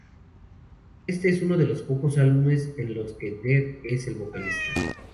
Este es uno de los pocos álbumes en los que Dead es el vocalista.